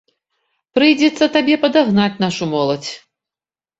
Прыйдзецца табе падагнаць нашу моладзь.